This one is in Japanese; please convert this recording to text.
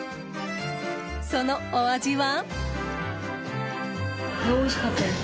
そのお味は？